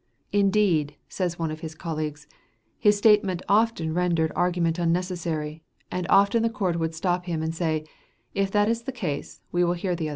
"Indeed," says one of his colleagues, "his statement often rendered argument unnecessary, and often the court would stop him and say, 'If that is the case, we will hear the other side.'"